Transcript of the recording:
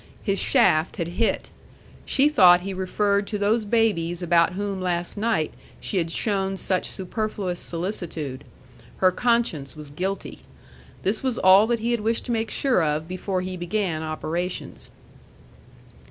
His shaft had hit. She thought he referred to those babies about whom last night she had shown such superfluous solicitude. Her conscience was guilty. This was all that he had wished to make sure of before he began operations.